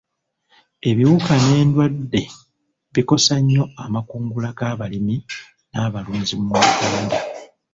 Ebiwuka n'endwadde bikosa nnyo amakungula g'abalimi n'abalunzi mu Uganda.